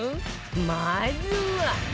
まずは